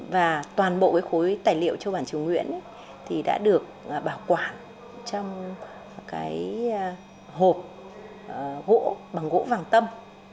những tài liệu châu bản trường nguyễn đã được bảo quản trong hộp gỗ bằng gỗ vàng tâm